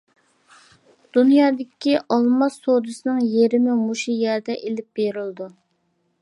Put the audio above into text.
دۇنيادىكى ئالماس سودىسىنىڭ يېرىمى مۇشۇ يەردە ئېلىپ بېرىلىدۇ.